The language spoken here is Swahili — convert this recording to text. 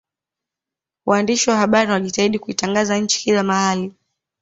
waandishi wa habari wanajitahidi kuitangaza nchi kila mahali